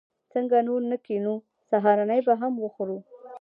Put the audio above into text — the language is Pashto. څنګه نور نه کېنو؟ سهارنۍ به هم وخورو.